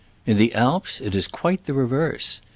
In the Alps it is quite the reverse.